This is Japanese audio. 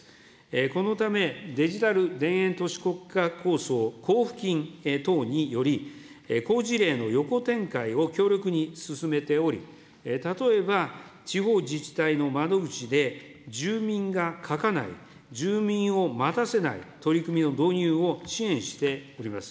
このため、デジタル田園都市国家構想交付金等により、好事例の横展開を強力に進めており、例えば地方自治体の窓口で、住民が書かない、住民を待たせない取り組みの導入を支援しております。